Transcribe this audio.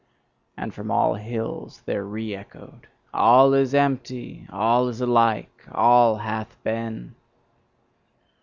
And from all hills there re echoed: 'All is empty, all is alike, all hath been!